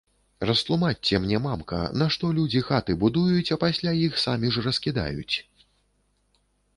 Растлумачце мне, мамка, нашто людзі хаты будуюць, а пасля іх самі ж раскідаюць?